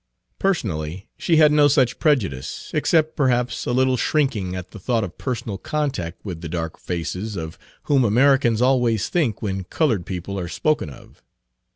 Personally she had no such prejudice, except perhaps a little shrinking at the thought of personal contact with the dark faces of whom Americans always think when "colored people" are spoken of.